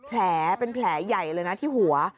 แผลเป็นแผลใหญ่เลยนะที่หัว